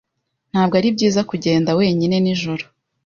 Ntabwo ari byiza kugenda wenyine nijoro.